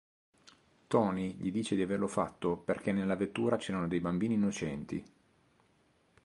Tony gli dice di averlo fatto perché nella vettura c'erano dei bambini innocenti.